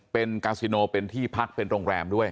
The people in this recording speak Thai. เป็นกาซิโนเป็นที่พักเป็นโรงแรมด้วย